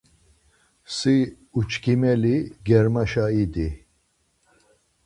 Si uçkimeli germaşa idi.